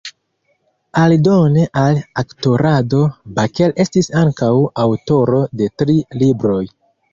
Aldone al aktorado, Baker estis ankaŭ aŭtoro de tri libroj.